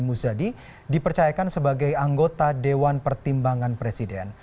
k h h muzadi dipercayakan sebagai anggota dewan pertimbangan presiden